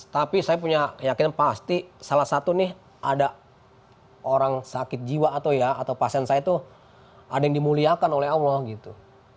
tapi saya punya yakin pasti salah satu nih ada orang sakit jiwa atau ya atau pasien saya tuh ada yang dimuliakan oleh allah gitu